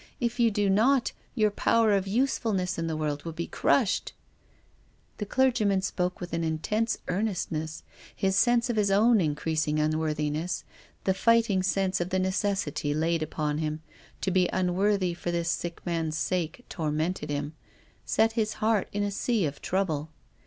If you do not, your power of usefulness in the world will be crushed." The clergyman spoke with an intense earnest ness. His sense of his own increasing unworthi ness, the fighting sense of the necessity laid upon him to be unworthy for this sick man's sake, tormented him, set his heart in a sea of trouble.